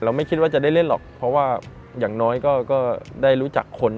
ไม่คิดว่าจะได้เล่นหรอกเพราะว่าอย่างน้อยก็ได้รู้จักคน